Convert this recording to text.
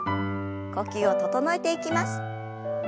呼吸を整えていきます。